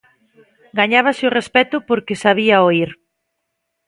Gañábase o respecto porque sabía oír.